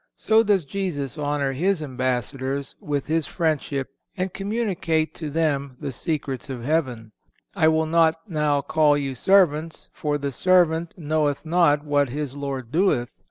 So does Jesus honor His ambassadors with His friendship and communicate to them the secrets of heaven: "I will not now call you servants; for, the servant knoweth not what his Lord doeth.